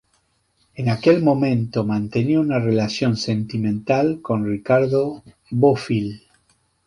En aquel momento mantenía una relación sentimental con Ricardo Bofill.